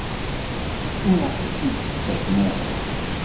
Ur aɣ-tt-id-ttaken ara?